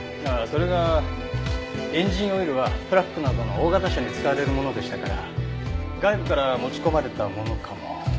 ああそれがエンジンオイルはトラックなどの大型車に使われるものでしたから外部から持ち込まれたものかも。